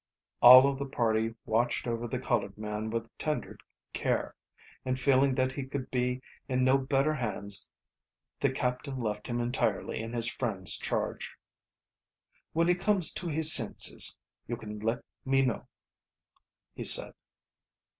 All of the party watched over the colored man with tender care, and feeling that he could be in no better hands the captain left him entirely in his friends' charge. "When he comes to his senses you can let me know," he said.